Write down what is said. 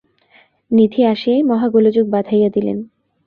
নিধি আসিয়াই মহা গোলযোগ বাধাইয়া দিলেন।